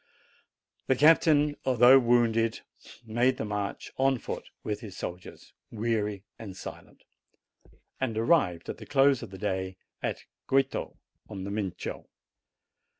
The captain, although wounded, made the march on foot with his soldiers, weary and silent, and arrived at the close of the day at Goito, on the Mincio.